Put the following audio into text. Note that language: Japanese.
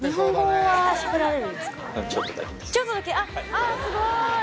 あっすごい。